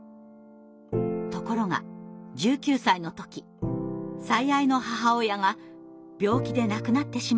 ところが１９歳の時最愛の母親が病気で亡くなってしまったのです。